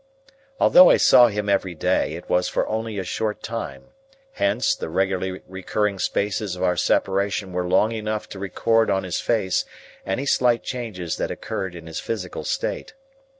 Although I saw him every day, it was for only a short time; hence, the regularly recurring spaces of our separation were long enough to record on his face any slight changes that occurred in his physical state.